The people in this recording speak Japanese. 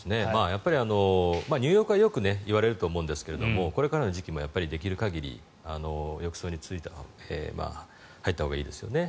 入浴はよく言われると思うんですがこれからの時期もできる限り浴槽に入ったほうがいいですよね。